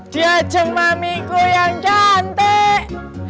diajong mamiku yang cantik